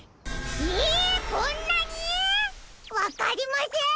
えこんなに！？わかりません！